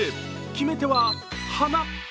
決め手は鼻。